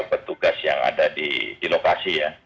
dan petugas yang ada di lokasi ya